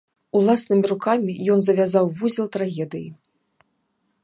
Уласнымі рукамі ён завязаў вузел трагедыі.